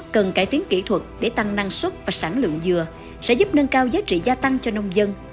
cần cải tiến kỹ thuật để tăng năng suất và sản lượng dừa sẽ giúp nâng cao giá trị gia tăng cho nông dân